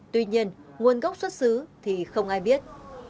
tuy nhiên nguồn gốc xuất xứ thì không ai biết